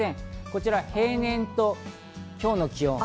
こちら平年と今日の気温。